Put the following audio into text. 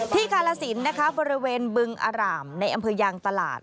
กาลสินนะคะบริเวณบึงอร่ามในอำเภอยางตลาด